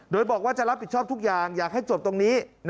โดยบอกว่าจะรับผิดชอบทุกอย่างอยากให้จบตรงนี้